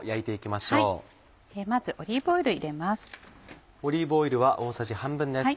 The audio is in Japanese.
まずオリーブオイル入れます。